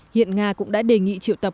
hiện nga cũng đã đề nghị triệu tập